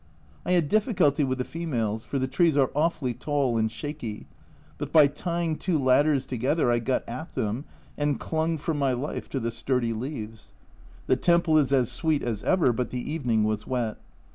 I had difficulty with the females, for the trees are awfully tall and shaky, but by tying two ladders together I got at them, and clung for my life to the sturdy leaves. The temple is as sweet as ever, but the evening was wet.